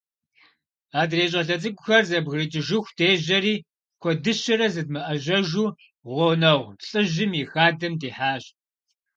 Адрей щӀалэ цӀыкӀухэр зэбгрыкӀыжыху дежьэри, куэдыщэри зыдмыӀэжьэжу, гъунэгъу лӏыжьым и хадэм дихьащ.